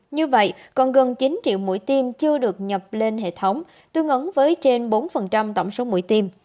như vậy còn gần chín triệu mũi tiêm chưa được nhập lên hệ thống tương ứng với trên bốn tổng số mũi tiêm